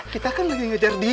kita ngomplir omongannya bocah ini